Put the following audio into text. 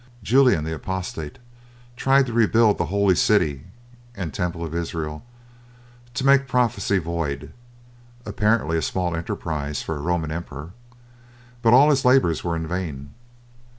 Julian the Apostate tried to rebuild the Holy City and Temple of Israel, to make prophecy void apparently a small enterprise for a Roman Emperor but all his labours were vain.